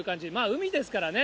海ですからね。